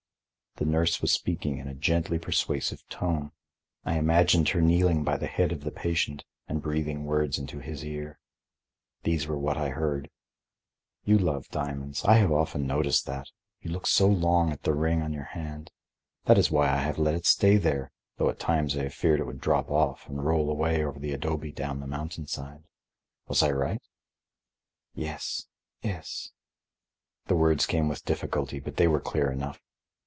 The nurse was speaking in a gently persuasive tone. I imagined her kneeling by the head of the patient and breathing words into his ear. These were what I heard: "You love diamonds. I have often noticed that; you look so long at the ring on your hand. That is why I have let it stay there, though at times I have feared it would drop off and roll away over the adobe down the mountain side. Was I right?" "Yes, yes." The words came with difficulty, but they were clear enough.